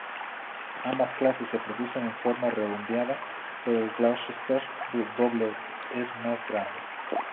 Ambas clases se producen en forma redondeada, pero el Gloucester doble es más grande.